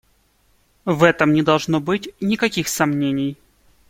В этом не должно быть никаких сомнений.